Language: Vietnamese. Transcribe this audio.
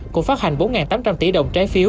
cũng phát hành bốn tám trăm linh tỷ đồng trái phiếu